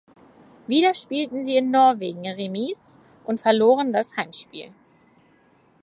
Wieder spielten sie in Norwegen remis und verloren das Heimspiel.